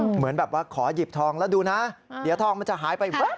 เหมือนแบบว่าขอหยิบทองแล้วดูนะเดี๋ยวทองมันจะหายไป